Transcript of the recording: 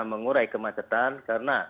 mengurai kemacetan karena